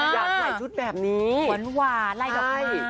อยากใส่ชุดแบบนี้หวนหวานอะไรกับมัน